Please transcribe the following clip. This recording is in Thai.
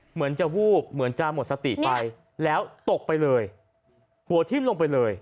เหมือนจะวูบเหมือนจะหมดสติไปแล้วตกไปเลยหัวทิ้มลงไปเลย